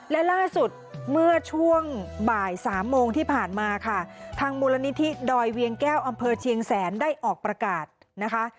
และล่าสุดเมื่อช่วงบ่ายสามโมงที่ผ่านมาค่ะทางมูลนิธิดอยเวียงแก้วอำเภอเชียงแสนได้ออกประกาศนะคะ